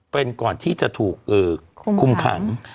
เป็นก่อนที่จะถูกคุมขัง